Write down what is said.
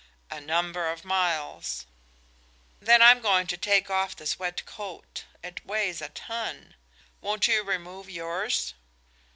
"A number of miles." "Then I'm going to take off this wet coat. It weighs a ton. Won't you remove yours?"